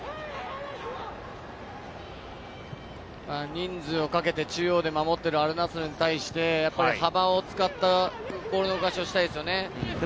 人数をかけて中央で守っているアルナスルに対してやっぱり幅を使ったボール回しをしたいですよね。